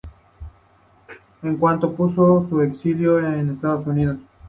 En cuanto pudo se exilió en Estados Unidos.